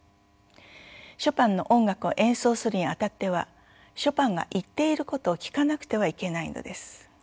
ショパンの音楽を演奏するにあたってはショパンが言っていることを聞かなくてはいけないのです」。